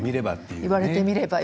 言われてみればと。